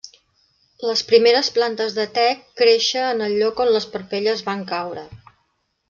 Les primeres plantes de te créixer en el lloc on les parpelles van caure.